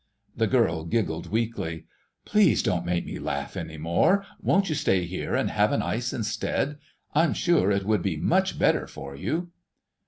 The girl giggled weakly. "Please don't make me laugh any more! Won't you stay here and have an ice instead? I'm sure it would be much better for you."